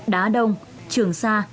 đá đông trường sa